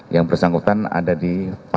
yang bersangkutan ada di